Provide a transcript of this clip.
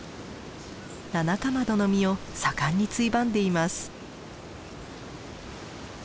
ナナカマドの実を盛んについばんでいます。